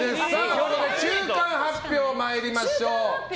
ここで中間発表、参りましょう。